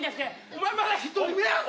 お前まだ１人目やぞ。